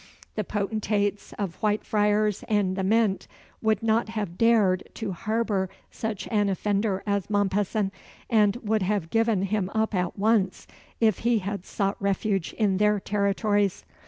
The potentates of Whitefriars and the Mint would not have dared to harbour such an offender as Mompesson, and would have given him up at once if he had sought refuge in their territories.